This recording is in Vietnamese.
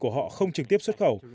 của họ không trực tiếp xuất khẩu